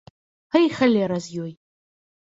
А і халера з ёй.